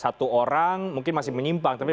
satu orang mungkin masih menyimpang tapi